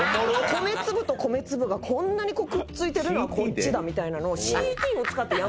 「米粒と米粒がこんなにくっついてるのはこっちだ」みたいなのを。